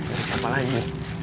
dari siapa lagi